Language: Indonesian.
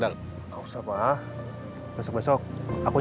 dan apa yang sekarang